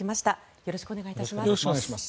よろしくお願いします。